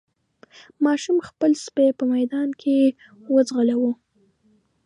ماشوم خپل سپی په ميدان کې وځغلاوه.